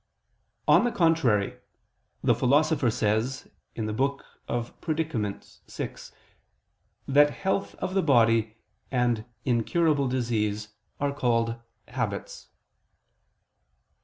On the contrary, The Philosopher says in the Book of Predicaments (De Categor. vi) that health of the body and incurable disease are called habits.